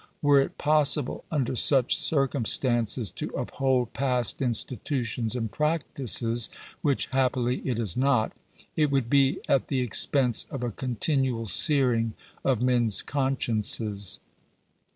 Were it possible under such circumstances to uphold past institutions and practices (which, happily, it is not), it would be at the expense of a continual searing of men's consciences.